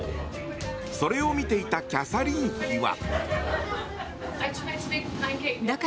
それを見ていたキャサリン妃は。